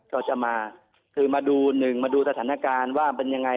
ก็จะมาคือมาดูหนึ่งมาดูสถานการณ์ว่าเป็นยังไง